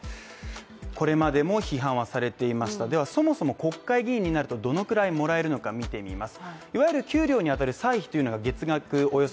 これまでも批判はされていましたではそもそも国会議員になるとどのくらいもらえるのか見てみます